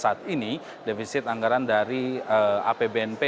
saat ini defisit anggaran dari apbnp